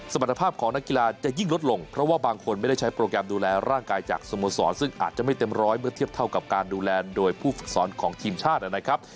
สมรรถภาพของนักกีฬาจะยิ่งลดลงเพราะว่าบางคนไม่ได้ใช้โปรแกรมดูแลร่างกายจากสโมสรซึ่งอาจจะไม่เต็มร้อยเมื่อเทียบเท่ากับการดูแลโดยผู้ฝึกสอนของทีมชาตินะครับ